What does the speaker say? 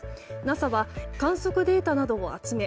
ＮＡＳＡは観測データなどを集め